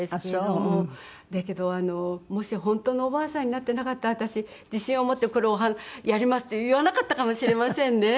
だけどもし本当のおばあさんになっていなかったら私自信を持ってこれをやりますって言わなかったかもしれませんね。